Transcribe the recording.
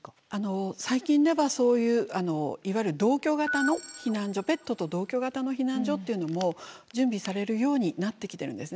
最近ではそういういわゆる同居型の避難所ペットと同居型の避難所っていうのも準備されるようになってきてるんですね。